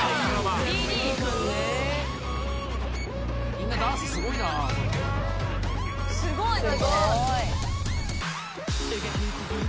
「みんなダンスすごいな」